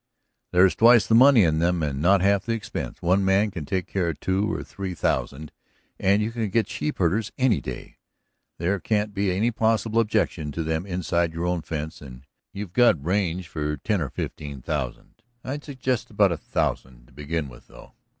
"There's twice the money in them, and not half the expense. One man can take care of two or three thousand, and you can get sheepherders any day. There can't be any possible objection to them inside your own fence, and you've got range for ten or fifteen thousand. I'd suggest about a thousand to begin with, though."